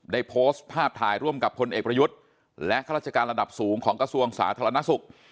ได้โพสต์ภาพถ่ายร่วมกับพลเอกประยุทธ์และข้าราชการระดับสูงของกระทรวงสาธารณสุข